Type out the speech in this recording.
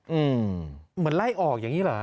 เหมือนไล่ออกอย่างนี้เหรอ